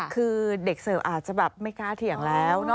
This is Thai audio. คือเด็กเสิร์ฟอาจจะแบบไม่กล้าเถียงแล้ว